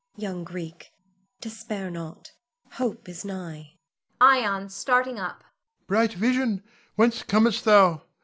] Young Greek, despair not; hope is nigh. Ion [starting up]. Bright vision, whence comest thou?